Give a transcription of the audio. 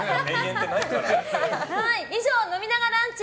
以上飲みながランチ！